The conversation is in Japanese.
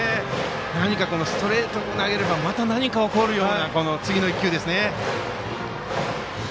ストレートを投げればまた何か起こるような次の１球ですね。